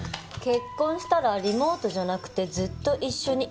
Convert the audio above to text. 「結婚したらリモートじゃなくてずっと一緒にいられるね」